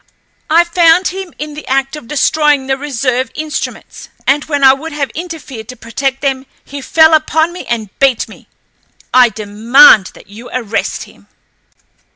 I found him in the act of destroying the reserve instruments, and when I would have interfered to protect them he fell upon me and beat me. I demand that you arrest him!"